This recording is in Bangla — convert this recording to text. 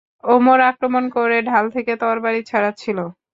আমর আক্রমণ করে ঢাল থেকে তরবারি ছাড়াচ্ছিল।